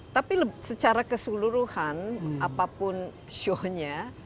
tapi secara keseluruhan apapun show nya